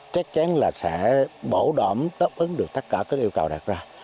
chắc chắn là sẽ bảo đảm đáp ứng được tất cả các yêu cầu đặt ra